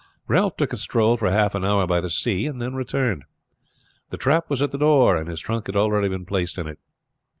Ralph took a stroll for half an hour by the sea and then returned. The trap was at the door, and his trunk had already been placed in it.